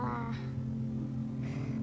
terus kalau saya putusin